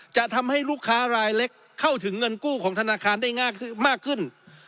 จะทำให้ลูกค้ารายเล็กเข้าถึงเงินกู้ของธนาคารได้ง่ายมากขึ้น